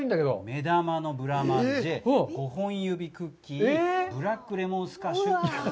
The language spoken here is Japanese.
目玉入りブラマンジェ、５本指クッキー、ブラックレモンスカッシュです。